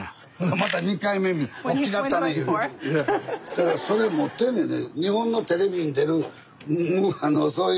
だからそれ持ってんねんね。